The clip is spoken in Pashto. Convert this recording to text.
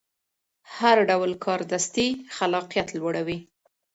هر ډول کاردستي خلاقیت لوړوي.